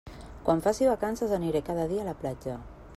Quan faci vacances aniré cada dia a la platja.